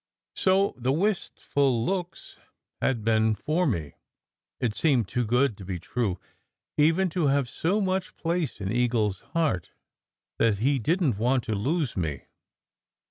So the wistful looks had been for me! It seemed too good to be true, even to have so much place in Eagle s heart that he didn t want to lose me.